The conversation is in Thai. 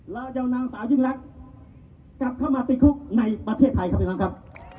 เราจะเอานางสาวยิ่งรักกลับเข้ามาติดคุกในประเทศไทยครับพี่น้องครับ